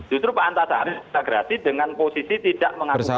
justru pak antasari kita gerasi dengan posisi tidak mengaku bersalah